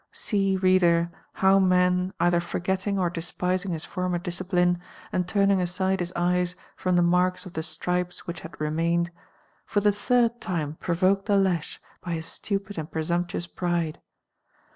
See, reader, how man, either forgelt'ng or despising his former discipline, and turning aside his eyes from the marks of the strij.es which had remained, for the third time provoked the lash by his stupid and presumptuous pride